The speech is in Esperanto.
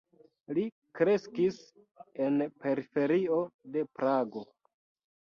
Li kreskis en periferio de Prago.